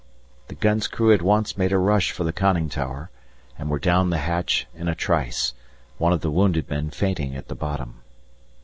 The gun's crew at once made a rush for the conning tower, and were down the hatch in a trice, one of the wounded men fainting at the bottom.